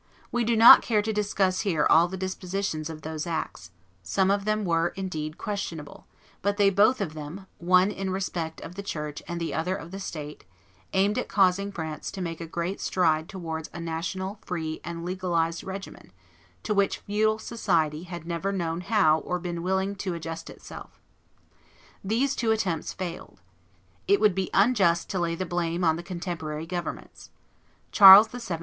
We do not care to discuss here all the dispositions of those acts; some of them were, indeed, questionable; but they both of them, one in respect of the church and the other of the state, aimed at causing France to make a great stride towards a national, free and legalized regimen, to which French feudal society had never known how or been willing to adjust itself. These two attempts failed. It would be unjust to lay the blame on the contemporary governments. Charles VII.